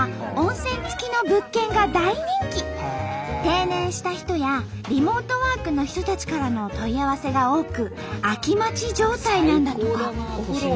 定年した人やリモートワークの人たちからの問い合わせが多く空き待ち状態なんだとか。